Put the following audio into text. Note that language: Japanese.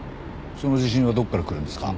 その自信はどこから来るんですか？